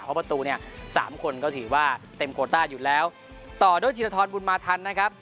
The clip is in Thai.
เพราะประตูเนี่ยสามคนก็ถือว่าเต็มโคต้าอยู่แล้วต่อด้วยธีรทรบุญมาทันนะครับ